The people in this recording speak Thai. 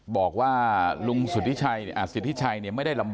บอกว่าลุงสุธิชัยสุธิชัยไม่ได้ลำบากลำบน